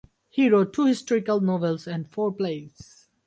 He wrote two historical novels and four plays.